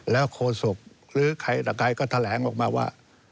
แล้วโฆษกหรือใครต่อใครก็แถลงออกมาว่า